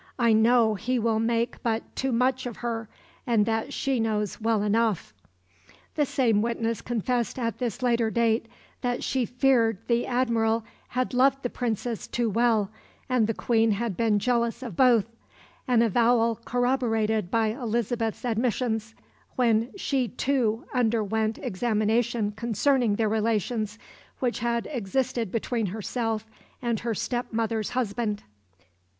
I know he will make but too much of her, and that she knows well enough." The same witness confessed at this later date that she feared the Admiral had loved the Princess too well, and the Queen had been jealous of both an avowal corroborated by Elizabeth's admissions, when she too underwent examination concerning the relations which had existed between herself and her step mother's husband.